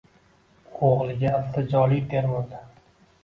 U o‘g‘liga iltijoli termuldi.